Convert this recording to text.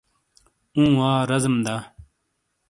اوں وا رازیم دا؟